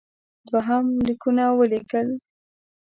دوهم لیکونه ولېږل.